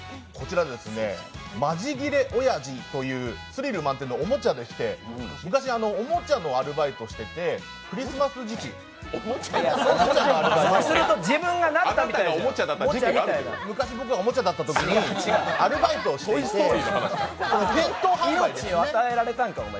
「マジギレおやじ」というスリル満点のおもちゃでして昔、おもちゃのアルバイトをしていて、クリスマス時期昔僕がおもちゃっだったときにアルバイトをしていて店頭販売命を与えられたんか、お前。